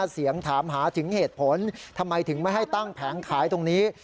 เสียงถามหาถึงเหตุผลทำไมถึงไม่ให้ตั้งแผงขายตรงนี้